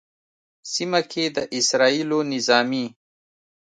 سیمه کې د اسرائیلو نظامي